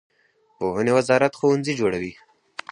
پوهنې وزارت ښوونځي جوړوي